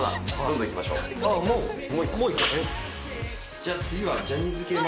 じゃあ次は。